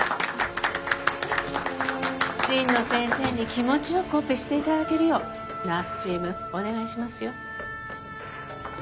神野先生に気持ち良くオペして頂けるようナースチームお願いしますよ。